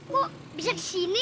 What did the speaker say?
kok bisa kesini